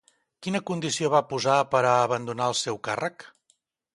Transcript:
Quina condició va posar per a abandonar el seu càrrec?